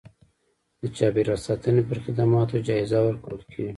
د چاپیریال ساتنې پر خدماتو جایزه ورکول کېږي.